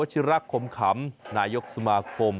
ที่จังหวัดอุตรดิษฐ์บริเวณสวนหลังบ้านต่อไปครับ